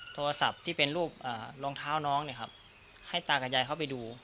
โทรศัพท์ที่เป็นรูปรองเท้าน้องเนี่ยครับให้ตากับยายเข้าไปดู